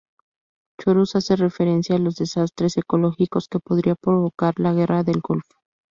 Chorus hace referencia a los desastres ecológicos que podría provocar la Guerra del Golfo.